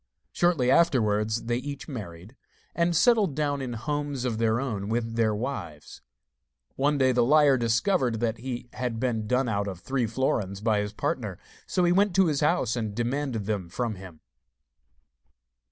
Shortly afterwards they each married, and settled down in homes of their own with their wives. One day the liar discovered that he had been done out of three florins by his partner, so he went to his house and demanded them from him.